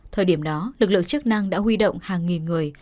thời điểm đó lực lượng chức năng đã huy động hàng nghìn người